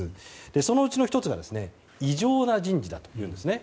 そのうちの１つが異常な人事だというんですね。